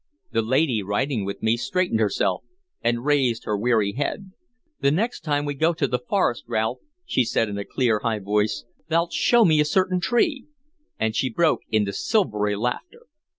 The lady riding with me straightened herself and raised her weary head. "The next time we go to the forest, Ralph," she said in a clear, high voice, "thou 'lt show me a certain tree," and she broke into silvery laughter.